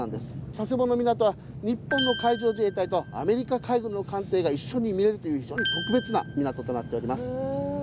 佐世保の港は日本の海上自衛隊とアメリカ海軍の艦艇が一緒に見れるという非常に特別な港となっております。